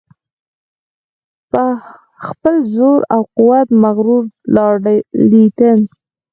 په خپل زور او قوت مغرور لارډ لیټن.